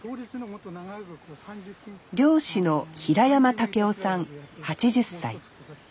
漁師の平山孟夫さん８０歳。